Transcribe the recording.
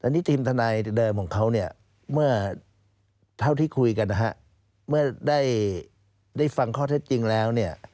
อันนี้ทีมทนายเดิมของเขาเนี่ยเมื่อเท่าที่คุยกันนะฮะเมื่อได้ฟังข้อเท็จจริงแล้วเนี่ย